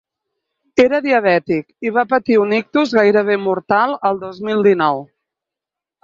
Era diabètic i va patir un ictus gairebé mortal el dos mil dinou.